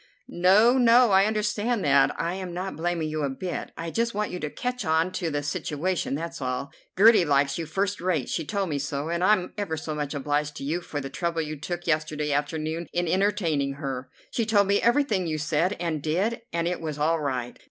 "No, no! I understand that. I am not blaming you a bit. I just want you to catch on to the situation, that's all. Gertie likes you first rate; she told me so, and I'm ever so much obliged to you for the trouble you took yesterday afternoon in entertaining her. She told me everything you said and did, and it was all right.